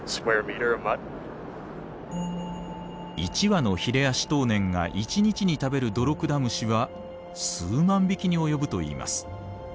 １羽のヒレアシトウネンが１日に食べるドロクダムシは数万匹に及ぶといいます。